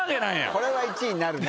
これは１位になるね